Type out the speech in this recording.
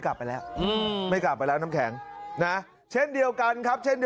กลับไปแล้วไม่กลับไปแล้วน้ำแข็งนะเช่นเดียวกันครับเช่น